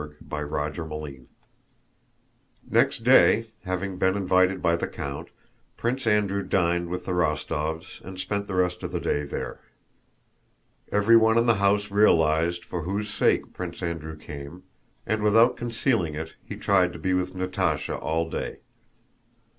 CHAPTER XXII Next day, having been invited by the count, Prince Andrew dined with the Rostóvs and spent the rest of the day there. Everyone in the house realized for whose sake Prince Andrew came, and without concealing it he tried to be with Natásha all day.